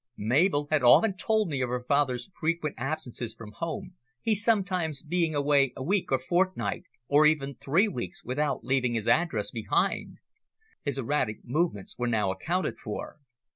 Mabel had often told me of her father's frequent absences from home, he sometimes being away a week or fortnight, or even three weeks, without leaving his address behind. His erratic movements were now accounted for.